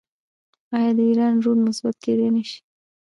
آیا د ایران رول مثبت کیدی نشي؟